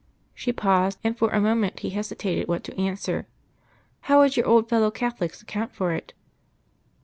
She paused; and for a moment he hesitated what to answer. "How would your old fellow Catholics account for it?"